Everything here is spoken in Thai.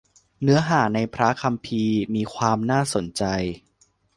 เนื้อหาในพระคัมภีร์ มีความน่าสนใจ